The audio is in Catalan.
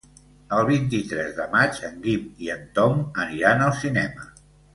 El vint-i-tres de maig en Guim i en Tom aniran al cinema.